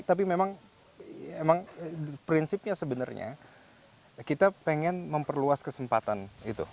tapi memang prinsipnya sebenarnya kita pengen memperluas kesempatan itu